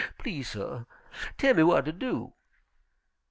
Please, suh, tell me w'at ter do.'